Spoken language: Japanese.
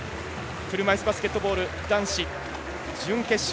車いすバスケットボール男子準決勝。